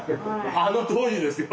あの当時ですよ